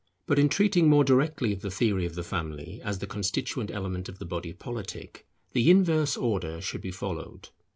But in treating more directly of the theory of the Family as the constituent element of the body politic, the inverse order should be followed.